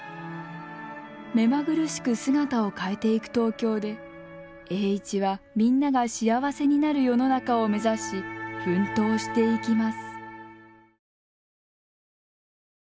目まぐるしく姿を変えていく東京で栄一はみんなが幸せになる世の中を目指し奮闘していきます。